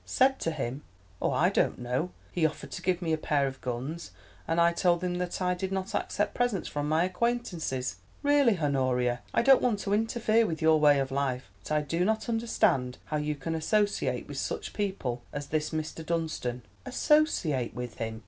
"Said to him? oh, I don't know. He offered to give me a pair of guns, and I told him that I did not accept presents from my acquaintances. Really, Honoria, I don't want to interfere with your way of life, but I do not understand how you can associate with such people as this Mr. Dunstan." "Associate with him!"